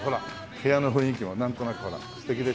部屋の雰囲気もなんとなくほら素敵でしょ？